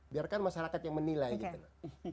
biarkan masyarakat yang menilai gitu loh